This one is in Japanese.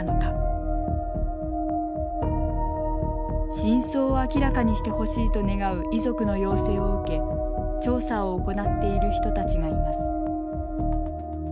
真相を明らかにしてほしいと願う遺族の要請を受け調査を行っている人たちがいます。